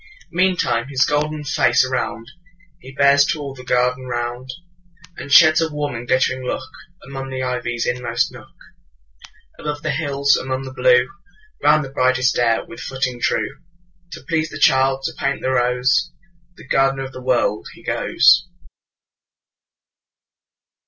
Meantime his golden face aroundHe bears to all the garden ground, And sheds a warm and glittering lookAmong the ivy's inmost nook. Above the hills, along the blue, Round the bright air with footing true, To please the child, to paint the rose, The gardener of the World, he goes.